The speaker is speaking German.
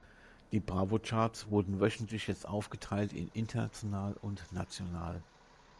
Die Bravo-Charts wurden wöchentlich jetzt aufgeteilt in international und national.